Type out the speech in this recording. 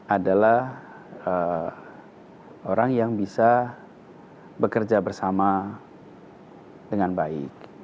adalah orang yang bisa bekerja bersama dengan baik